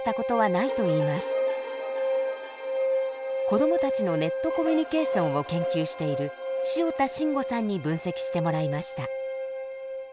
子どもたちのネットコミュニケーションを研究している塩田真吾さんに分析してもらいました。